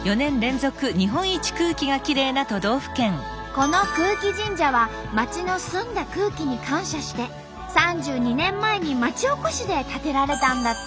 この空気神社は町の澄んだ空気に感謝して３２年前に町おこしで建てられたんだって。